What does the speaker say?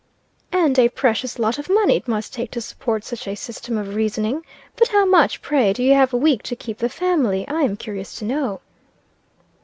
"And a precious lot of money it must take to support such a system of reasoning. But how much, pray, do you have a week to keep the family? I am curious to know."